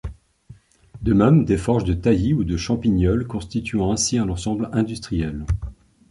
De même des forges de Tailly et de Champigneulles, constituant ainsi un ensemble industriel.